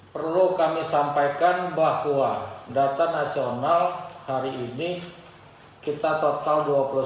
perlu kami sampaikan bahwa data nasional hari ini kita total dua puluh satu